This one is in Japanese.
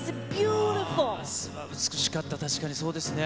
すばらしかった、確かにそうですね。